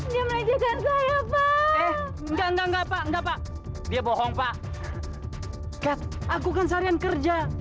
dia mengejekkan saya pak enggak enggak enggak enggak dia bohong pak aku kan seharian kerja